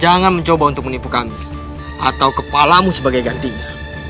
jangan mencoba untuk menipu kami atau kepalamu sebagai gantinya